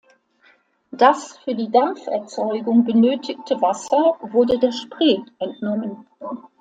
Das für die Dampferzeugung benötigte Wasser wurde der Spree entnommen.